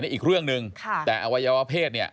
อีกเรื่องหนึ่งแต่อวัยวะเพศเนี่ย